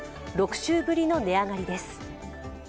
６週ぶりの値上がりです。